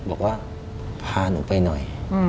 บอกว่าพาหนูไปหน่อย